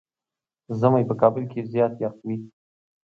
ژمی په کابل کې زيات يخ وي.